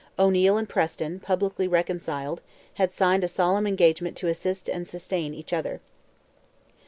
O'Neil and Preston, publicly reconciled, had signed a solemn engagement to assist and sustain each other.